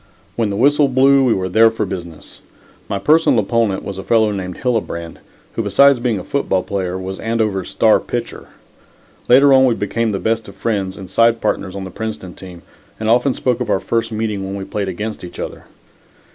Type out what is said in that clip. When the whistle blew, we were there for business. My personal opponent was a fellow named Hillebrand, who besides being a football player was Andover's star pitcher. Later on we became the best of friends and side partners on the Princeton team, and often spoke of our first meeting when we played against each other.